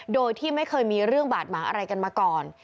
โดยที่ไม่เคยมีเรื่องบาดหมางอะไรกันมาก่อน